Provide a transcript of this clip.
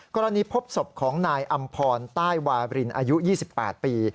พบศพของนายอำพรใต้วารินอายุ๒๘ปี